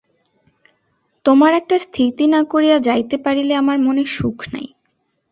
তোমার একটা স্থিতি না করিয়া যাইতে পারিলে আমার মনে সুখ নাই।